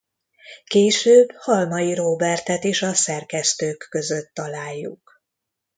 Később Halmai Róbertet is a szerkesztők között találjuk.